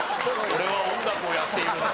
「俺は音楽をやっている」。